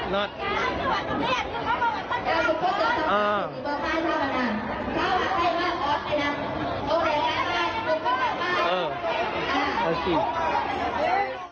เลิศ